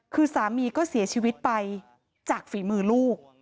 คือสามีก็เสียชีวิตไปจากฝีมือลูก